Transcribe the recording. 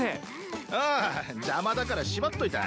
ああ邪魔だから縛っといた。